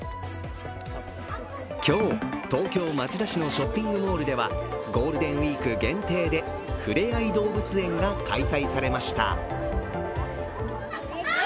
今日、東京・町田市のショッピングモールではゴールデンウイーク限定でふれあい動物園が開催されました。